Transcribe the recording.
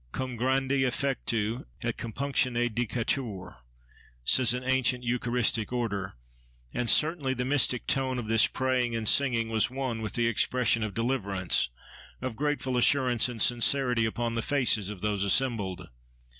Cum grandi affectu et compunctione dicatur—says an ancient eucharistic order; and certainly, the mystic tone of this praying and singing was one with the expression of deliverance, of grateful assurance and sincerity, upon the faces of those assembled.